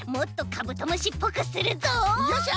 よっしゃ！